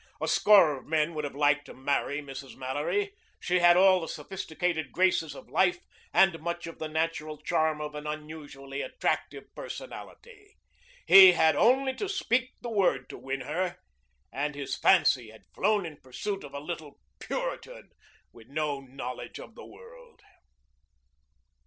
A score of men would have liked to marry Mrs. Mallory. She had all the sophisticated graces of life and much of the natural charm of an unusually attractive personality. He had only to speak the word to win her, and his fancy had flown in pursuit of a little Puritan with no knowledge of the world.